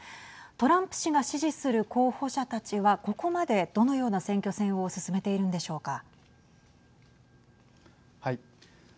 トランプ氏が支持する候補者たちはここまで、どのような選挙戦を進めているんでしょうか。